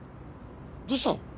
どうしたの？